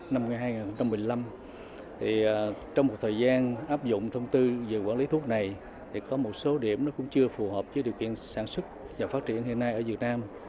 năm hai nghìn một mươi năm trong một thời gian áp dụng thông tư về quản lý thuốc này thì có một số điểm nó cũng chưa phù hợp với điều kiện sản xuất và phát triển hiện nay ở việt nam